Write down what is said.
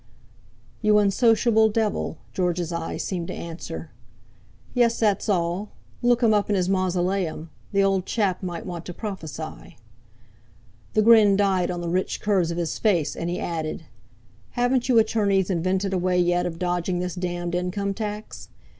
'You unsociable devil,' George's eyes seemed to answer. "Yes, that's all: Look him up in his mausoleum—the old chap might want to prophesy." The grin died on the rich curves of his face, and he added: "Haven't you attorneys invented a way yet of dodging this damned income tax?